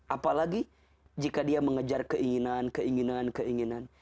apalagi jika dia mengejar keinginan keinginan keinginan